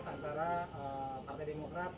antara partai demokrat